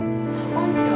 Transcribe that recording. ・こんにちは。